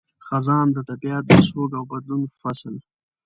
خزان – د طبیعت د سوګ او بدلون فصل